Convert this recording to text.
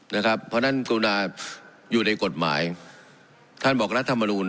เพราะฉะนั้นกรุณาอยู่ในกฎหมายท่านบอกรัฐมนูล